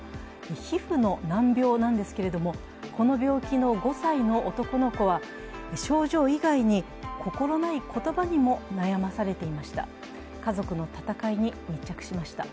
皮膚の難病なんですけれども、この病気の５歳の男の子は症状以外に心ない言葉にも悩まされていました。